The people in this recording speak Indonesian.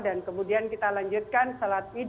dan kemudian kita lanjutkan sholat idul